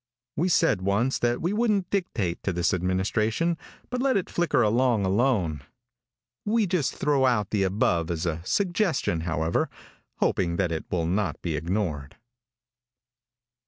We said once that we wouldn't dictate to this administration, but let it flicker along alone. We just throw out the above as a suggestion, however, hoping that it will not be ignored.